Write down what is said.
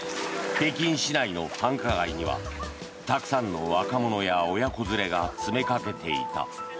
北京市内の繁華街にはたくさんの若者や親子連れが詰めかけていた。